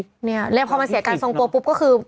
นี่แล้วพอมันเสียการทรงตัวปุ๊บก็คือ